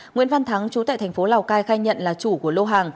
nguyễn văn thắng chú tại tp lào cai khai nhận là chủ của lô hàng